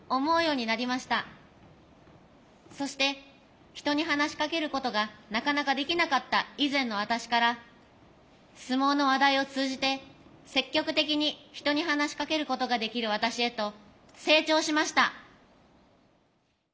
そして人に話しかけることがなかなかできなかった以前の私から相撲の話題を通じて積極的に人に話しかけることができる私へと成長しました。